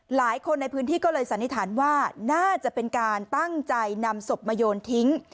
หลายคนในพื้นที่ก็เลยสันนิษฐานว่าน่าจะเป็นการตั้งใจนำศพมาโยนทิ้ง